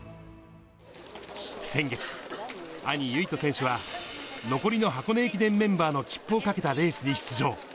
先月、兄、唯翔選手は、残りの箱根駅伝メンバーの切符をかけたレースに出場。